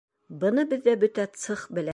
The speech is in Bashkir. Быны беҙҙә бөтә цех белә.